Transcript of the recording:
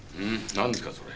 何ですかそれ。